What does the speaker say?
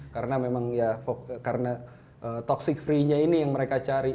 karena memang ya karena toxic free nya ini yang mereka cari